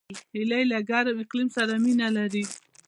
هیلۍ له ګرم اقلیم سره مینه لري